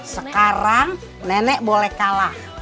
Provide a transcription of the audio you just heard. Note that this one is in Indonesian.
sekarang nenek boleh kalah